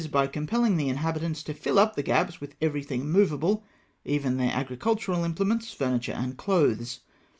by compelling the inhabitants to fill' up the gaps with everything movable, even to their agricultural implements, fiurni ture, and clothes.